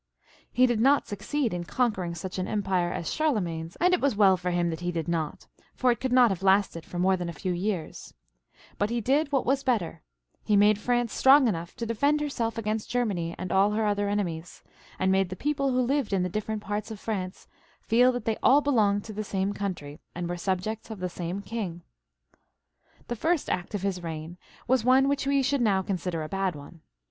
He did not succeed in con quering such an empire as Charlemagne's, and it was well for him that he did not, for it could not have lasted for more than a few years ; but he did what was better, he made France strong enough to defend herself against Ger many and all her other enemies, and made the people who lived in the different parts of France feel that they all belonged to the same country, and were subjects of the same king. 92 PHILIP IL {AUGUSTE). [CH. The first act of his reign was one which we should now consider a bad one.